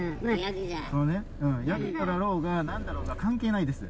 ヤクザだろうがなんだろうが、関係ないです。